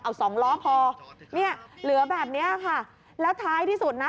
เอาสองล้อพอเนี่ยเหลือแบบเนี้ยค่ะแล้วท้ายที่สุดนะ